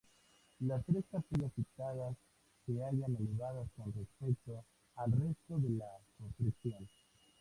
Las tres capillas citadas se hallan elevadas con respecto al resto de la construcción.